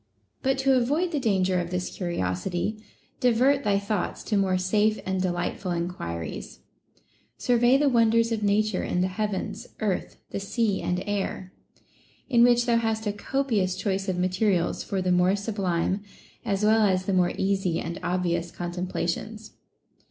5. But to avoid the danger of this curiosity, divert thy thoughts to more safe and delightful enquiries ; survey the wonders of nature in the heavens, earth, the sea, and air ; in which thou hast a copious choice of materials for the more sublime, as well as the more easy and obvious con templations.